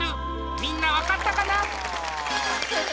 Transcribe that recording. みんな、分かったかな？